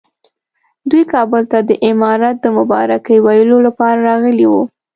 دوی کابل ته د امارت د مبارکۍ ویلو لپاره راغلي وو.